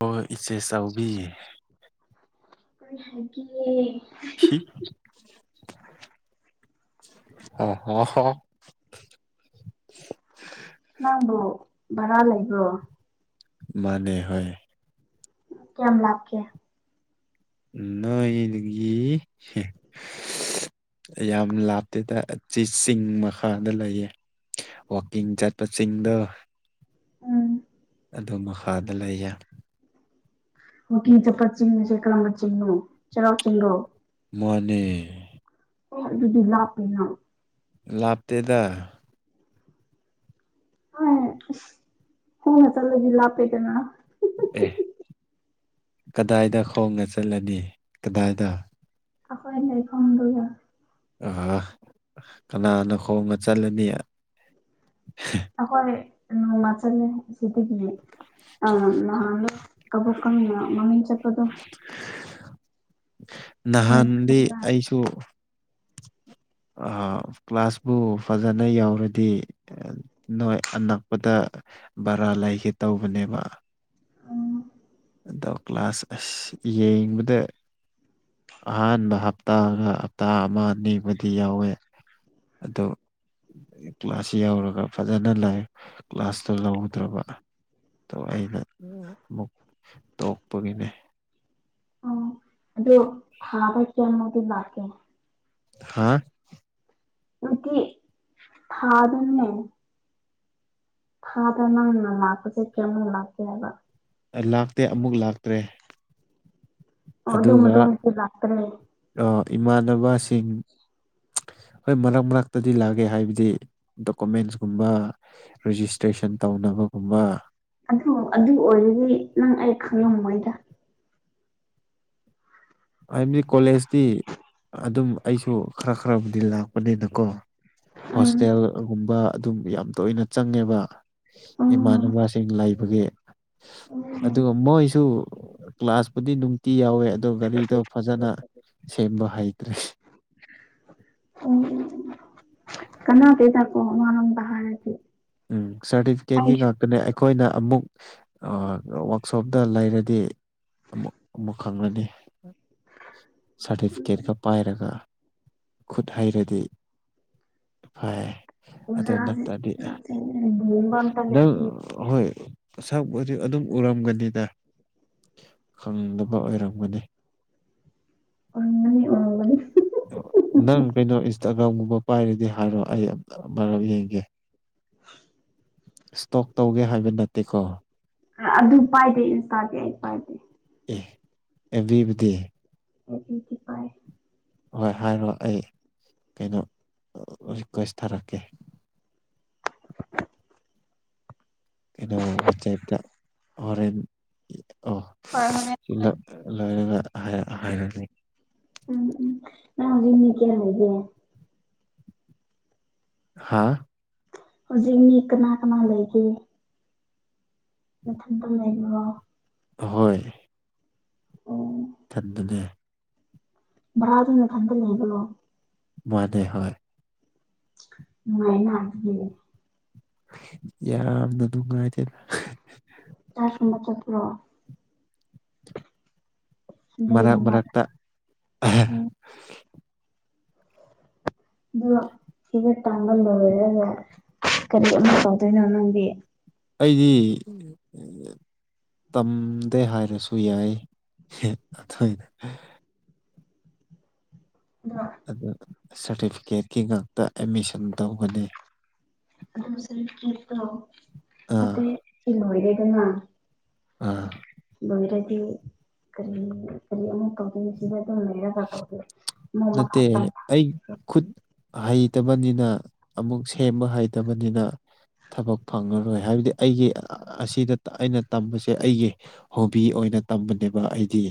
ꯑꯣ ꯏꯦ ꯁꯥꯎꯕꯤ ꯀ ꯍꯥꯏꯒꯦ ꯑ ꯍ ꯍ ꯅꯪꯕꯨ ꯚꯔꯥ ꯂꯩꯕ꯭ꯔꯣ ꯃꯥꯅꯦ ꯍ ꯀꯌꯥꯝ ꯂꯥꯛꯀꯦ ꯅꯣꯏꯒꯤ ꯌꯥꯝ ꯂꯥꯞꯇꯦꯗ ꯆ ꯆꯤꯡ ꯃꯈꯥꯗ ꯂꯩꯌꯦ ꯋꯥꯋꯀꯤꯡ ꯆꯠꯄꯁꯤꯡꯗ ꯎꯝ ꯑꯗꯨ ꯃꯈꯥꯗ ꯂꯩꯌꯦ ꯆꯄ ꯆꯤꯡ ꯁꯦ ꯀꯂꯝꯝꯕ ꯆꯤꯡ ꯆꯂꯣ ꯆꯤꯡꯒꯣ ꯃꯅꯦ ꯑꯣ ꯑꯗꯨꯗꯤ ꯂꯥꯞꯄꯦꯅ ꯂꯥꯞꯇꯦꯗ ꯑ ꯍꯨꯝ ꯈꯣꯡꯅ ꯆꯥꯠ ꯂꯥꯗ ꯂꯞ ꯄꯦꯗꯅ ꯑꯦ ꯀꯗꯥꯏꯗ ꯈꯣꯡꯅ ꯆꯠꯂꯅꯤ ꯀꯗꯥꯏꯗ ꯑꯩꯈꯣꯏ ꯂꯩꯐꯝꯗ ꯑ ꯀꯅꯥꯅ ꯈꯣꯡꯅ ꯆꯠꯂꯅꯤ ꯑꯩꯈꯣꯏ ꯅꯣꯡꯃꯆꯜ ꯁꯤꯗꯒꯤ ꯑ ꯅꯍꯟ ꯀꯕꯣꯀꯥꯡ ꯃꯃꯤ ꯆꯠꯄꯗꯨ ꯎꯝ ꯅꯍꯥꯟꯗꯤ ꯈꯪꯕ꯭ꯔꯥ ꯑꯩꯁꯨ ꯀ꯭ꯂꯥꯁꯄꯨ ꯐꯖꯅ ꯌꯥꯎꯔꯗꯤ ꯅꯣꯏ ꯑꯅꯛꯄꯗ ꯕꯔꯥ ꯂꯩꯒꯦ ꯇꯧꯕꯅꯦꯕ ꯎꯝ ꯑꯗꯣ ꯀ꯭ꯂꯥꯁ ꯑꯁ ꯌꯦꯡꯕꯗ ꯑꯍꯥꯟꯕ ꯍꯞꯇꯥꯒ ꯍꯞꯇꯥ ꯑꯃ ꯑꯅꯤꯕꯨꯗꯤ ꯌꯥꯎꯋꯦ ꯑꯗꯣ ꯀ꯭ꯂꯥꯁꯁꯤ ꯌꯧꯔꯒ ꯐꯖꯅ ꯂꯥꯏ ꯀ꯭ꯂꯥꯁꯇꯣ ꯂꯧꯗ꯭ꯔꯕ ꯑꯩꯅ ꯑꯃꯨꯛ ꯇꯣꯛꯄꯒꯤꯅꯦ ꯑꯣ ꯑꯗꯨꯣ ꯍꯥꯥꯕꯀꯤ ꯑꯃꯗꯤ ꯂꯛꯀꯦ ꯍꯥꯥ ꯑꯩꯒꯤ ꯐꯥꯗꯅꯤꯅꯦ ꯊꯥ ꯗ ꯅꯪꯅ ꯂꯥꯛꯄꯁꯦ ꯀꯌꯥꯝꯃꯣ ꯃꯥꯥꯛꯀꯦ ꯍꯥꯏꯕ ꯑ ꯂꯥꯛꯇꯦ ꯑꯃꯨꯛ ꯂꯥꯛꯇ꯭ꯔꯦ ꯑꯣ ꯑꯗꯨ ꯃꯇꯨꯡꯁꯨ ꯂꯥꯛꯇꯔꯦ ꯑ ꯏꯃꯥꯟꯅꯕꯁꯤꯡ ꯍꯣꯏ ꯃꯔꯛ ꯃꯔꯛꯇꯗꯤ ꯂꯥꯛꯒꯦ ꯍꯥꯏꯕꯗꯤ ꯗꯣꯀꯨꯃꯦꯟꯁꯀꯨꯝꯕ ꯔꯤꯖꯤꯁꯇ꯭ꯔꯦꯁꯟ ꯇꯧꯅꯕꯒꯨꯝꯕ ꯑꯗꯨ ꯑꯗꯨ ꯑꯣꯏꯔꯗꯤ ꯅꯪ ꯑꯩ ꯈꯪꯉꯝꯃꯣꯏꯗ ꯍꯥꯏꯕꯗꯤ ꯀꯣꯂꯦꯖꯇꯤ ꯑꯗꯨꯝ ꯑꯩꯁꯨ ꯈꯔ ꯈꯔꯕꯨꯗꯤ ꯂꯥꯛꯄꯅꯤꯅꯀꯣ ꯎꯝ ꯍꯣꯁꯇꯦꯜꯒꯨꯝꯕ ꯑꯗꯨꯝ ꯌꯥꯝ ꯇꯣꯏꯅ ꯆꯪꯉꯦꯕ ꯎꯝ ꯏꯃꯥꯟꯅꯕꯁꯤꯡ ꯂꯩꯕꯒꯤ ꯎꯝ ꯑꯗꯨꯒ ꯃꯣꯏꯁꯨ ꯀ꯭ꯂꯥꯁꯄꯨꯗꯤ ꯅꯨꯡꯇꯤ ꯌꯥꯎꯋꯦ ꯑꯗꯣ ꯒꯥꯔꯤꯗꯣ ꯐꯖꯅ ꯁꯦꯝꯕ ꯍꯩꯇ꯭ꯔꯦ ꯎꯝ ꯀꯅꯥꯇ ꯊꯀꯣ ꯃꯥꯅꯝ ꯊꯥꯔꯗꯤ ꯎꯝ ꯁꯥꯔꯇꯤꯐꯤꯀꯦꯠꯒꯤ ꯉꯥꯛꯇꯅꯦ ꯑꯩꯈꯣꯏꯅ ꯑꯃꯨꯛ ꯋꯥꯛꯁꯣꯞꯇ ꯂꯩꯔꯗꯤ ꯑꯃꯨꯛ ꯈꯪꯒꯅꯤ ꯁꯥꯔꯇꯤꯐꯤꯀꯦꯠꯀ ꯄꯥꯏꯔꯒ ꯈꯨꯠ ꯍꯩꯔꯗꯤ ꯐꯩ ꯑꯗꯨ ꯑꯣꯖꯥꯁꯦ ꯅꯥꯠꯇꯔꯗꯤ ꯑꯣꯖꯥꯁꯦ ꯂꯨꯍꯣꯡꯕ ꯑꯝꯇ ꯅꯪ ꯂꯩꯇꯦ ꯍꯣꯏ ꯁꯛꯄꯗꯤ ꯑꯗꯨꯝ ꯎꯔꯝꯒꯅꯤꯗ ꯈꯪꯗꯕ ꯑꯣꯏꯔꯝꯒꯅꯤ ꯑꯝ [inaudible] ꯅꯪ ꯀꯩꯅꯣ ꯏꯟꯁꯇꯥꯒ꯭ꯔꯥꯝꯒꯨꯝꯕ ꯄꯥꯏꯔꯗꯤ ꯍꯥꯏꯔꯣ ꯑꯩ ꯑꯝꯇꯪ ꯑꯃꯔꯛ ꯌꯦꯡꯒꯦ [inaudible] ꯏꯁꯇꯣꯛ ꯇꯧꯒꯦ ꯍꯥꯏꯕ ꯅꯠꯇꯦꯀꯣ ꯑꯗꯨ ꯄꯥꯏꯗꯦ ꯏꯟꯁꯇꯥꯗꯤ ꯑꯩ ꯄꯥꯏꯗꯦ ꯑꯦ ꯑꯦꯞꯕꯤꯕꯨ ꯗꯤ ꯑꯦꯞꯕꯤ ꯗꯤ ꯄꯥꯏ ꯍꯣꯏ ꯍꯥꯏꯔꯣ ꯑꯩ ꯀꯩꯅꯣ ꯔꯤꯀ꯭ꯋꯦꯁ ꯊꯥꯔꯛꯀꯦ ꯀꯩꯅꯣ ꯋꯥꯆꯦꯞꯇ ꯍꯣꯔꯦꯟ ꯑꯣ ꯍꯣꯏ ꯍꯣꯔꯦꯟ ꯁꯤꯂ ꯂꯣꯏꯔꯒ ꯍꯥꯏ ꯍꯥꯏꯔꯒꯦ ꯎꯝ ꯎꯝ ꯅꯪ ꯍꯧꯖꯤꯛ ꯃꯤ ꯀ꯭ꯌꯥ ꯂꯩꯒꯦ ꯍꯥꯥ ꯍꯨꯖꯤꯛ ꯃꯤ ꯀꯅꯥ ꯀꯅꯥ ꯂꯩꯒꯦ ꯅꯊꯟꯇ ꯂꯩꯕ꯭ꯔꯣ ꯍꯣꯏ ꯑꯣ ꯊꯟꯗꯅꯦ ꯚꯔꯥꯗ ꯅꯊꯟꯇ ꯂꯩꯕ꯭ꯔꯣ ꯃꯥꯅꯦ ꯍꯣꯏ ꯅꯨꯡꯉꯥꯏꯅ ꯑꯗꯨꯗꯤ ꯌꯥꯝꯅ ꯅꯨꯡꯉꯥꯏꯇꯦꯗ ꯀ꯭ꯂꯥꯁꯀꯨꯝꯕ ꯆꯠꯄ꯭ꯔꯣ ꯃꯔꯛ ꯃꯔꯛꯇ [unintelligible] ꯑꯗꯣ ꯁꯤ ꯍꯦꯛ ꯇꯝꯕ ꯂꯣꯏꯔꯒ ꯀꯔꯤ ꯑꯃꯨꯛ ꯇꯧꯗꯣꯏꯅꯣ ꯅꯪꯗꯤ ꯑꯩꯗꯤ ꯇꯝꯗꯦ ꯍꯥꯏꯔꯁꯨ ꯌꯥꯏꯌꯦ ꯑꯊꯣꯏꯅ [unintelligible] ꯑꯗꯨ ꯁꯥꯔꯇꯤꯐꯤꯀꯦꯠꯀꯤ ꯉꯥꯛꯇ ꯑꯦꯠꯃꯤꯁꯟ ꯇꯧꯕꯅꯦ ꯑꯗꯨ ꯁꯔꯇꯤꯐꯤꯀꯦꯠꯇꯣ ꯑꯥ ꯃꯇ꯭ꯔꯦꯠ ꯇꯤ ꯂꯣꯏꯔꯗꯅ ꯑꯥ ꯂꯣꯏꯔꯗꯤ ꯀꯔꯤ ꯀꯔꯤ ꯑꯃꯨꯛ ꯇꯧꯗꯣꯏꯅꯣ ꯁꯤꯗ ꯑꯗꯨꯝ ꯂꯩꯔꯒ ꯇꯧꯗꯣꯏ ꯑꯃꯨꯛ ꯃꯈꯥ ꯅꯠꯇꯦ ꯇꯝꯊꯥ ꯑꯩ ꯈꯨꯠ ꯍꯩꯇꯕꯅꯤꯅ ꯑꯃꯨꯛ ꯁꯦꯝꯕ ꯍꯩꯇꯕꯅꯤꯅ ꯊꯕꯛ ꯐꯪꯉꯔꯣꯏ ꯍꯥꯏꯕꯗꯤ ꯑꯩꯒꯤ ꯑꯁꯤꯗ ꯑꯩꯅ ꯇꯝꯕꯁꯦ ꯑꯩꯒꯤ ꯍꯣꯕꯤ ꯑꯣꯏꯅ ꯇꯝꯕꯅꯦꯕ ꯑꯩꯗꯤ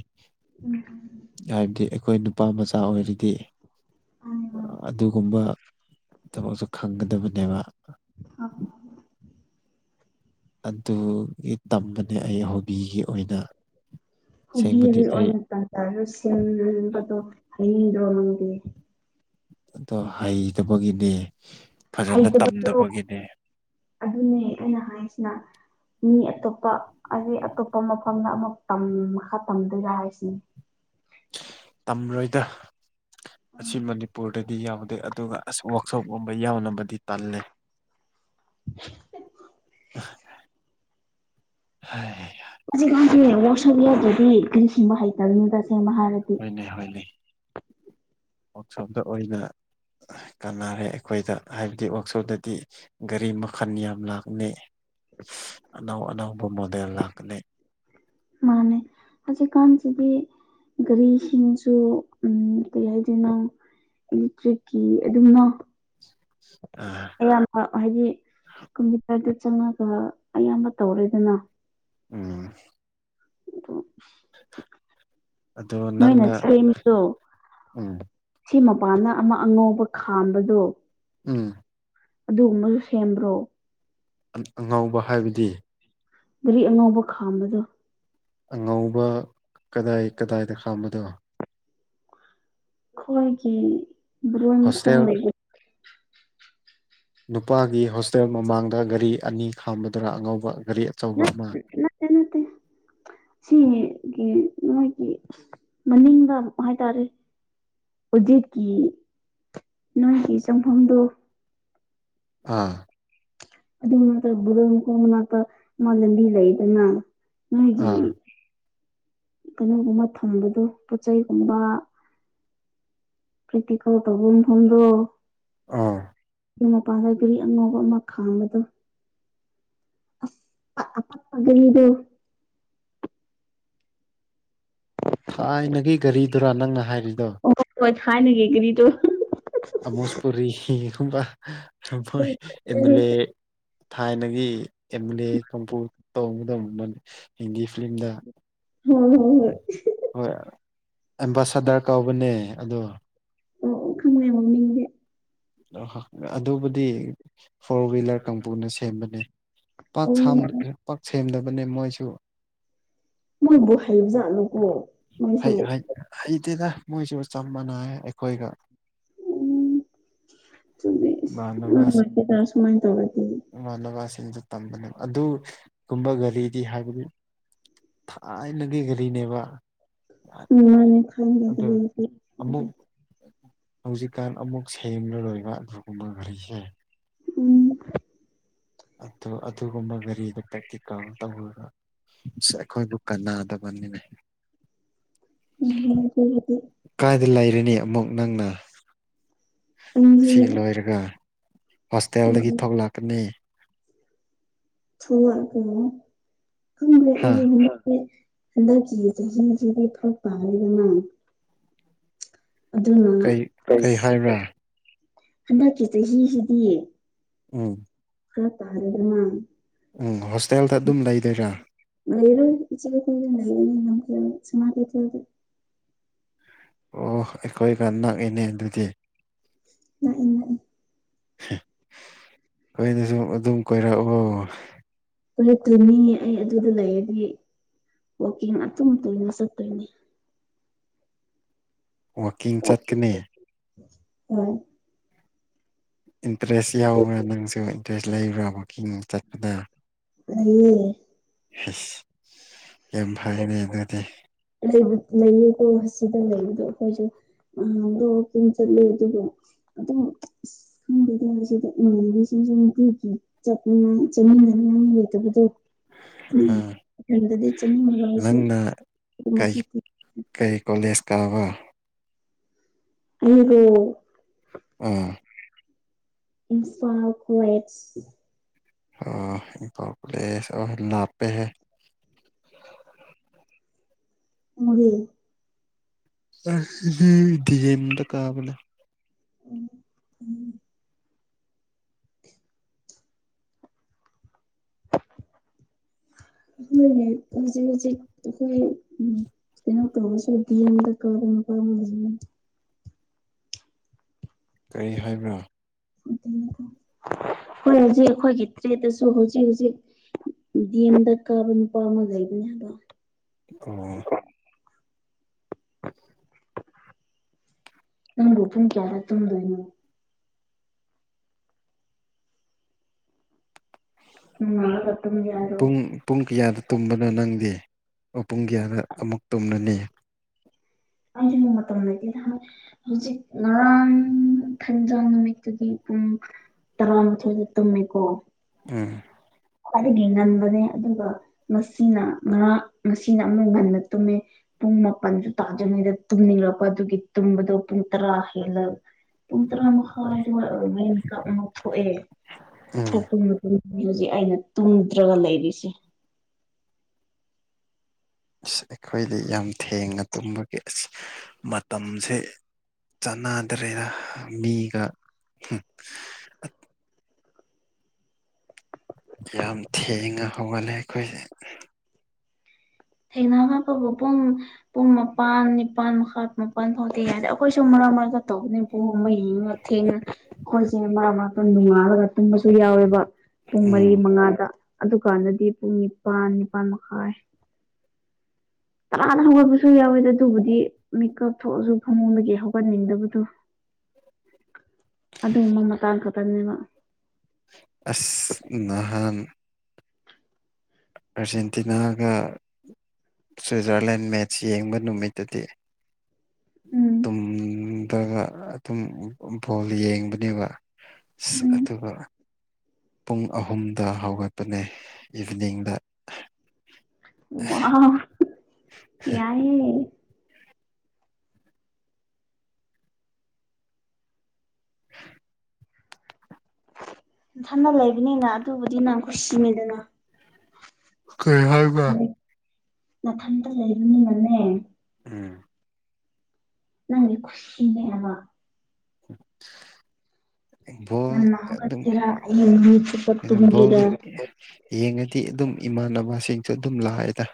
ꯍꯥꯏꯕꯗꯤ ꯑꯩꯈꯣꯏ ꯅꯨꯄꯥ ꯃꯆꯥ ꯑꯣꯏꯔꯗꯤ ꯑꯗꯨꯒꯨꯝꯕ ꯊꯕꯛꯁꯨ ꯈꯪꯒꯗꯕꯅꯦꯕ ꯑ ꯑꯗꯨꯒꯤ ꯇꯝꯕꯅꯦ ꯑꯩ ꯍꯣꯕꯤꯒꯤ ꯑꯣꯏꯅ ꯑꯁꯦꯡꯕꯗꯤ ꯍꯨꯕꯤꯒꯤ ꯑꯩ ꯑꯣꯏꯅ ꯇꯟꯖꯥ ꯁꯦꯝꯅꯕꯗꯣ ꯍꯩꯅꯤꯡꯗꯔꯣ ꯅꯪꯗꯦ ꯑꯗꯣ ꯍꯩꯇꯕꯒꯤꯅꯦ ꯐꯖꯅ ꯍꯩꯇꯕꯗꯣ ꯇꯝꯗꯕꯒꯤꯅꯦ ꯑꯗꯨꯅꯦ ꯑꯩꯅ ꯍꯥꯏꯁꯤꯅ ꯃꯤ ꯑꯇꯣꯞꯄ ꯑꯩ ꯑꯇꯣꯞꯄ ꯃꯐꯝꯗ ꯑꯃꯨꯛ ꯇꯝ ꯃꯈꯥ ꯇꯝꯗꯣꯏꯔꯥ ꯍꯥꯏꯁꯤ ꯇꯝꯔꯣꯏꯗ ꯑꯁꯤ ꯃꯅꯤꯄꯨꯔꯗ ꯗꯤ ꯌꯥꯎꯗꯦ ꯑꯗꯨꯒ ꯑꯁ ꯋꯥꯛꯁꯣꯞꯀꯨꯝꯕ ꯌꯥꯎꯅꯕꯗꯤ ꯇꯜꯂꯦ ꯍꯥꯏ ꯍꯨꯖꯤꯛꯀꯥꯟꯒꯤ ꯋꯥꯛꯁꯣꯞ ꯌꯥꯎꯗ꯭ꯔꯗꯤ ꯒꯔꯤ ꯁꯤꯟꯕ ꯍꯩꯇꯕꯅꯤꯗ ꯑꯁꯦꯡꯕ ꯍꯥꯏꯔꯗꯤ ꯅꯤ ꯍꯣꯏꯅꯦ ꯋꯥꯛꯁꯣꯞꯇ ꯑꯣꯏꯅ ꯀꯥꯟꯅꯔꯦ ꯑꯩꯈꯣꯏꯗ ꯍꯥꯏꯕꯗꯤ ꯋꯥꯛꯁꯣꯞꯗꯗꯤ ꯒꯥꯔꯤ ꯃꯈꯜ ꯌꯥꯝ ꯂꯥꯛꯅꯩ ꯑꯅꯧ ꯑꯅꯧꯕ ꯃꯣꯗꯦꯜ ꯂꯥꯛꯀꯅꯤ ꯃꯥꯅꯦ ꯍꯧꯖꯤꯛꯀꯥꯟꯁꯤꯗꯤ ꯒꯥꯔꯤꯁꯤꯡꯁꯨ ꯎꯝ ꯀꯩ ꯍꯥꯏꯗꯣꯏꯅꯣ ꯏꯂꯦꯛꯇ꯭ꯔꯤꯛꯀꯤ ꯑꯗꯨꯝꯅ ꯑꯥ ꯑꯌꯥꯝꯕ ꯍꯥꯏꯗꯤ ꯀꯝꯄ꯭ꯌꯨꯇꯔꯗ ꯆꯪꯉꯒ ꯑꯌꯥꯝꯕ ꯇꯧꯔꯦꯗꯅ ꯎꯝ ꯑꯗꯣ ꯑꯗꯣ ꯅꯣꯏꯅ ꯅꯪꯅ ꯁꯦꯝꯕꯗꯣ ꯎꯝ ꯁꯤ ꯃꯄꯥꯟꯅ ꯑꯃ ꯑꯉꯧꯕ ꯈꯥꯝꯕꯗꯣ ꯎꯝ ꯑꯗꯨꯒꯨꯝꯕꯁꯨ ꯁꯦꯝꯕ꯭ꯔꯣ ꯑꯉꯥꯎꯕ ꯍꯥꯏꯕꯗꯤ ꯒꯥꯔꯤ ꯑꯉꯧꯕ ꯈꯥꯝꯕꯗꯣ ꯑꯉꯧꯕ ꯀꯗꯥꯏ ꯀꯗꯥꯏꯗ ꯈꯥꯝꯕꯗꯣ ꯈꯣꯏ ꯀ ꯑꯣ ꯑꯃ ꯈ ꯍꯣꯁꯇꯦꯜ ꯂꯩ ꯅꯨꯄꯥꯒꯤ ꯍꯣꯁꯇꯦꯜ ꯃꯃꯥꯡꯗ ꯒꯥꯔꯤ ꯑꯅꯤ ꯈꯥꯝꯕꯗꯨꯔ ꯑꯉꯧꯕ ꯒꯥꯔꯤ ꯑꯆꯧꯕ ꯑꯃ ꯅꯠꯇꯦ ꯅꯠꯇꯦ [inaudible] ꯁꯤꯒꯤ ꯃꯣꯏꯒꯤ ꯃꯅꯤꯡꯗ ꯑꯃꯨꯛ ꯍꯥꯏꯇꯥꯔꯦ ꯎꯖꯤꯠꯀꯤ ꯅꯣꯏꯒꯤ ꯆꯪꯐꯝꯗꯨ ꯑꯥ ꯑꯗꯨꯒꯤꯛꯇ ꯕꯔ ꯀꯣꯡꯕꯅꯥꯛꯇ ꯃꯥ ꯂꯝꯕꯤ ꯂꯩꯗꯅ ꯅꯣꯏꯒꯤ ꯑꯥ ꯀꯩꯅꯣꯒꯨꯝꯕ ꯊꯝꯕꯗꯣ ꯄꯣꯠ ꯆꯩꯩꯒꯨꯝꯕ ꯀ꯭ꯔꯤꯇꯤꯀ ꯇꯧꯕꯨꯝ ꯊꯗꯣ ꯑꯥ ꯑꯗꯨ ꯃꯄꯥꯟꯗ ꯒꯔꯤ ꯑꯉꯧꯕ ꯑꯃ ꯈꯥꯡꯕꯗꯣ ꯑꯁ ꯑ ꯄꯄꯒꯩꯗꯨ ꯊꯥꯏꯅꯒꯤ ꯒꯥꯔꯤꯗꯨꯔꯥ ꯅꯪꯅ ꯍꯥꯏꯔꯤꯗꯣ ꯑꯣ ꯊꯅ ꯀꯦ ꯀꯔꯤ ꯇ ꯑꯣꯁꯄꯔꯤꯦꯝ ꯑꯦꯜ ꯍꯣꯏ ꯑꯦ ꯊꯥꯏꯅꯒꯤ ꯑ ꯑꯦꯜ ꯑꯦ ꯀꯝꯄꯨ ꯇꯧꯕꯗꯅꯤ ꯍꯤꯟꯗꯤ ꯐꯤꯂꯝꯗ ꯍꯣꯏ ꯍꯣꯏ ꯍꯣꯏ ꯑꯦꯝꯕꯥꯁꯗꯔ ꯀꯧꯕꯅꯦ ꯑꯗꯣ ꯑꯣ ꯑꯣ ꯈꯪꯗꯦ ꯃꯃꯤꯡꯗꯤ ꯑ ꯑꯗꯨꯕꯨꯗꯤ ꯐꯣꯔ ꯋꯤꯂꯔ ꯀꯥꯡꯕꯨꯅ ꯁꯦꯝꯕꯅꯦ ꯄꯥꯛ ꯑꯣ ꯁꯝ ꯁꯦꯝꯗꯕꯅꯦ ꯃꯣꯏꯁꯨ ꯃꯣꯏꯕꯨ ꯍꯩꯕ ꯖꯥꯠꯂꯣꯀꯣ ꯃꯣꯏꯁꯨ ꯍꯩꯇꯦꯗ ꯃꯣꯏꯁꯨ ꯆꯞ ꯃꯥꯟꯅꯑꯦ ꯑꯩꯈꯣꯏꯒ ꯆꯨꯝꯃꯤ ꯌꯝ ꯅꯨꯉꯥꯏꯇꯦꯗ ꯁꯨꯃꯥꯏ ꯇꯧꯔꯗꯤ ꯏꯃꯥꯟꯅꯕꯁꯤꯡꯗꯨ ꯇꯝꯕꯅꯦꯕ ꯑꯗꯨ ꯀꯨꯝꯕ ꯒꯥꯔꯤꯗꯤ ꯍꯥꯏꯕꯗꯤ ꯊꯥꯏꯅꯒꯤ ꯀꯔꯤꯅꯦꯕ ꯃꯥꯅꯦ ꯈꯪꯒ ꯑꯃꯨꯛ ꯍꯧꯖꯤꯛꯀꯥꯟ ꯑꯃꯨꯛ ꯁꯦꯝꯡꯂꯔꯣꯏꯕ ꯑꯗꯨꯒꯨꯝꯕ ꯘꯔꯤꯁꯦ ꯎꯝ ꯑ ꯑꯗꯨꯒꯨꯝꯕ ꯒꯥꯔꯤꯗꯣ ꯄ꯭ꯔꯦꯛꯇꯤꯀꯦꯜ ꯇꯧꯔꯒ ꯑꯩꯈꯣꯏꯕꯨ ꯀꯅꯗꯕꯅꯤꯅ ꯎꯝ ꯀꯥꯏꯗ ꯂꯩꯔꯅꯤ ꯑꯃꯨꯛ ꯅꯪꯅ ꯑꯩꯁꯦ ꯑꯁꯤ ꯂꯣꯏꯔꯒ ꯍꯣꯁꯇꯦꯜꯗꯒꯤ ꯎꯝ ꯊꯣꯛꯂꯛꯀꯅꯤ ꯍꯥ ꯊꯀ ꯍꯟꯗꯛꯀꯤ ꯆꯍꯤꯁꯤꯗꯤ ꯐꯔꯛ ꯄꯥꯜꯂꯤꯗꯅ ꯑꯗꯨꯅ ꯀꯩ ꯑ ꯀꯩ ꯍꯥꯏꯕ꯭ꯔꯥ ꯍꯟꯗꯛꯀꯤ ꯆꯍꯤꯁꯤꯗꯤ ꯎꯝ ꯈꯔ ꯇꯥꯔꯦꯗ ꯅꯥ ꯎꯝ ꯍꯣꯁꯇꯦꯜꯗ ꯑꯗꯨꯝ ꯂꯩꯗꯣꯏꯔꯥ [unintelligible] ꯑꯣ ꯑꯩꯈꯣꯏꯒ ꯅꯛꯑꯦꯅꯦ ꯑꯗꯨꯗꯤ ꯉꯛꯏ ꯉꯛꯏ ꯍꯣꯏꯗꯁꯨ ꯑꯗꯨꯝ ꯀꯣꯏꯔꯛꯂꯣ ꯀꯔ ꯀꯂꯤꯅꯤ ꯑꯩ ꯑꯗꯨꯗ ꯂꯩꯔꯗꯤ ꯋꯥꯛꯀꯤꯡ ꯑꯗꯨꯝ ꯇꯣꯏꯅ ꯆꯠꯇꯣꯏꯅꯤ ꯋꯥꯀꯤꯡ ꯆꯠꯀꯅꯤ ꯎꯝ ꯏꯟꯇꯔꯦꯁ ꯌꯥꯎꯕ꯭ꯔꯥ ꯅꯪꯁꯨ ꯏꯟꯇꯔꯦꯁ ꯂꯩꯕ꯭ꯔꯥ ꯋꯥꯛꯀꯤꯡ ꯆꯠꯄꯗ ꯂꯩꯌꯦ ꯁ ꯌꯥꯝ ꯐꯩꯅꯦ ꯑꯗꯨꯗꯤ ꯂꯩ ꯂꯩꯌꯦꯀꯣ ꯁꯤꯗ ꯂꯩꯕꯗꯣ ꯑꯩꯈꯣꯏꯁꯨ ꯑꯗꯣ ꯋꯥꯀꯤꯡ ꯆꯂꯦ ꯑꯗꯨꯒ ꯑꯗꯨꯝ ꯈꯪꯗꯗꯁꯤꯗ ꯏꯕꯤꯁꯤꯡꯁꯨ ꯑꯃꯨꯛ ꯄꯤꯈꯤ ꯆ ꯆꯅꯤꯡꯗꯅꯇꯗꯣ ꯑꯥ ꯎꯗꯗꯤ ꯆꯅꯤꯡ ꯅꯪꯅ ꯀꯩ ꯀꯩ ꯀꯣꯂꯦꯖ ꯀꯥꯕ ꯎꯕꯨ ꯎꯝ ꯏꯝꯐꯥꯜ ꯀ꯭ꯋꯦꯠꯁ ꯑꯣ ꯏꯝꯐꯣꯜ ꯀꯣꯂꯦꯁ ꯑꯣ ꯂꯥꯞꯄꯦꯍꯦ ꯃꯨꯔꯦ ꯗꯤ ꯗꯤꯖꯃꯗ ꯀꯥꯕꯅꯦ ꯑꯣ ꯎꯝ ꯍꯣꯏꯅꯦꯏ ꯍꯧꯖꯤꯛ ꯍꯧꯖꯤꯛ ꯍꯣꯏ ꯎ ꯀꯩꯅꯣ ꯇꯧꯕꯁꯨ ꯗꯤꯑꯦꯝ ꯗ ꯀꯔꯝꯕ ꯑꯃꯥ ꯂꯩꯕꯅꯤ ꯀꯔꯤ ꯍꯥꯏꯕ꯭ꯔꯥ [inaudible] ꯍꯣꯏ ꯍꯧꯖꯤꯛ ꯑꯩꯈꯣꯏꯒꯤ ꯇ꯭ꯔꯦꯠꯇꯁꯨ ꯍꯧꯖꯤꯛ ꯍꯧꯖꯤꯛ ꯗꯤ ꯑꯦꯝꯗ ꯀꯥꯕ ꯅꯨꯄꯥ ꯑꯃ ꯂꯩꯕꯅꯦ ꯍꯥꯏꯕꯣ ꯑꯣ ꯅꯪ ꯔꯣꯄꯟ ꯀꯌꯥꯔ ꯇꯝꯗꯣꯏꯩꯅꯣ ꯎꯝꯒ ꯇꯝ ꯌꯥ ꯍꯥꯏꯔꯣ ꯄꯨꯡ ꯄꯨꯡ ꯀꯌꯥꯗ ꯇꯨꯝꯕꯅꯣ ꯅꯪꯗꯤ ꯄꯨꯡ ꯀꯌꯥꯗ ꯑꯃꯨꯛ ꯇꯨꯝꯂꯅꯤ ꯑ ꯃꯛꯇ ꯃꯥꯏꯇ ꯍꯧꯖꯤꯛ ꯉꯔꯥꯡ ꯊꯦꯟꯖꯥ ꯅꯨꯃꯤꯠꯇꯨꯒꯤ ꯄꯨꯡ ꯇꯔꯥꯡꯝ ꯆ ꯇꯃꯦꯀꯣ ꯎꯝ ꯈ꯭ꯋꯥꯏꯗꯒꯤ ꯉꯟꯕꯅꯦ ꯑꯗꯨꯒ ꯉꯁꯤꯅ ꯉꯔꯥꯛ ꯉꯁꯤꯅ ꯑꯃꯨꯛ ꯉꯟꯅ ꯇꯨꯝꯃꯦ ꯄꯨꯡ ꯃꯥꯄꯜꯁꯨ ꯇꯥꯗꯔꯤꯉꯩꯗ ꯇꯨꯝꯅꯤꯡꯔꯛꯄ ꯑꯗꯨꯒꯤ ꯇꯨꯝꯕꯗꯣ ꯄꯨꯡ ꯇꯔꯥ ꯍꯦꯜꯂꯒ ꯄꯨꯡ ꯇꯔꯥ ꯃꯥꯈꯥꯗ ꯑꯗꯨꯃꯥꯏ ꯑꯣꯏꯔꯃ ꯃꯤꯀꯄ ꯑꯃꯨꯛ ꯊꯣꯛꯑꯦ ꯎꯝ ꯊꯣꯛꯄ ꯃ ꯍꯧꯖꯤꯛ ꯑꯩꯅ ꯇꯨꯝꯗ꯭ꯔꯒ ꯂꯩꯔꯤꯁꯦ ꯑꯁ ꯑꯩꯈꯣꯏꯗꯤ ꯌꯥꯝ ꯊꯦꯡꯅ ꯇꯨꯝꯕꯒꯤ ꯑꯁ ꯃꯇꯝꯁꯦ ꯆꯥꯟꯅꯗ꯭ꯔꯦꯅ ꯃꯤꯒ ꯎꯝ ꯌꯥꯝ ꯊꯦꯡꯅ ꯍꯧꯒꯠꯂꯦ ꯑꯩꯈꯣꯏꯁꯦ ꯊꯦꯡꯅꯅꯕꯄꯕꯨ ꯄꯨꯡ ꯄꯨꯡ ꯃꯥꯄꯥꯟ ꯅꯤꯄꯥꯜ ꯃꯈꯥ ꯃꯥꯄꯜ ꯐꯥꯎꯗꯤ ꯌꯥꯔꯦ ꯑꯩꯈꯣꯏꯁꯨ ꯃꯔꯛ ꯃꯔꯥꯏꯀ ꯇꯧꯕꯅꯤ ꯃꯩ ꯊꯦꯡꯅ ꯑꯩꯈꯣꯏꯁꯦ ꯃꯔꯛ ꯃꯔꯛ ꯅꯣꯉꯥꯜꯂꯒ ꯇꯨꯝꯕꯁꯨ ꯌꯥꯎꯌꯦꯕ ꯄꯨꯡ ꯃꯔꯤ ꯎꯝ ꯃꯉꯥꯗ ꯑꯗꯨꯀꯥꯟꯗꯗꯤ ꯄꯨꯡ ꯅꯤꯄꯥꯟ ꯅꯤꯄꯥꯜ ꯃꯈꯥꯏ ꯇꯔꯥꯅ ꯍꯧꯒꯠꯄꯁꯨ ꯌꯥꯎꯌꯦꯗ ꯑꯗꯨꯕꯨꯗꯤ ꯃꯦꯀꯞ ꯊꯣꯛꯑꯁꯨ ꯐꯃꯨꯡꯗꯒꯤ ꯍꯧꯒꯟꯅꯤꯡꯗꯕꯗꯣ [unintelligible] ꯑꯗꯨꯗ ꯎꯃꯃ ꯇꯥꯟ ꯀ ꯇꯅꯤꯦꯕ ꯑꯁ ꯅꯍꯥꯟ ꯑꯔꯖꯦꯟꯇꯤꯅꯥꯒ ꯁ꯭ꯋꯤꯖꯔꯂꯦꯟ ꯃꯦꯠꯆ ꯌꯦꯡꯕ ꯅꯨꯃꯤꯠꯇꯗꯤ ꯎꯝ ꯇꯨꯝ ꯅꯠꯇꯒ ꯑꯗꯨꯝ ꯕꯣꯜ ꯌꯦꯡꯕꯅꯦꯕ ꯑ ꯎꯝ ꯑꯗꯨꯒ ꯄꯨꯡ ꯑꯍꯨꯝꯗ ꯍꯧꯒꯠꯄꯅꯦ ꯏꯚꯤꯅꯤꯡꯗ ꯋꯥ ꯌꯥ ꯏꯟꯊꯅ ꯂꯩꯕꯅꯤꯅ ꯑꯗꯨꯕꯨꯗꯤ ꯅꯪ ꯈꯨꯨꯁꯤꯃꯦꯗꯅ ꯀꯩ ꯍꯥꯏꯕ ꯅꯥꯊꯟꯇ ꯂꯩꯔꯨꯅꯤꯅꯅꯦ ꯎꯝ ꯅꯪꯒꯤ ꯈꯨꯨꯁꯤꯅꯦ ꯍꯕ [inaudible] ꯕꯣꯜ ꯉꯟꯅ ꯑꯗꯨꯝ ꯍꯧꯒꯠꯀꯦꯔ ꯑꯌꯨꯛ ꯅꯨꯃꯤꯠꯆꯨꯞꯄ ꯀꯩꯅꯣ ꯕꯣꯜ ꯇꯨꯝꯒꯦꯔ ꯌꯦꯡꯉꯗꯤ ꯑꯗꯨꯝ ꯏꯃꯥꯟꯅꯕꯁꯤꯡꯁꯨ ꯑꯗꯨꯝ ꯂꯥꯛꯑꯦꯗ